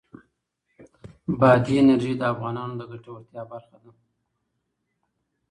بادي انرژي د افغانانو د ګټورتیا برخه ده.